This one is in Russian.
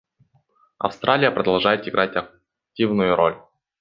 Австралия продолжает играть активную роль.